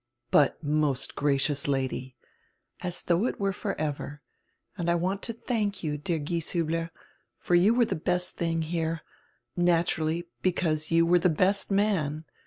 "But, most gracious Lady —" "As though it were for ever. And I want to thank you, deal" Gieshiibler. For you were the best thing here; natur ally, because you were the best man.